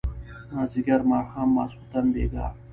مازيګر ماښام ماسخوتن بېګا